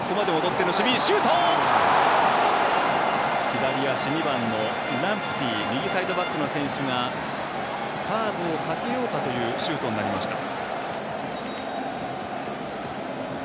左足、２番のランプティ右サイドバックの選手がカーブをかけようかというシュートになりました。